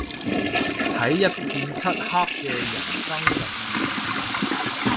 喺一片漆黑嘅人生入面